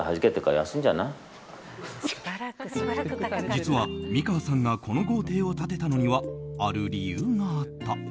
実は美川さんがこの豪邸を建てたのには、ある理由があった。